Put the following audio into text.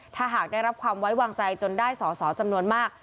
ถ้าหากได้รับความไว้วางใจจนได้สอสอจำนวนมาก